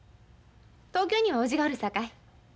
東京には伯父がおるさかい。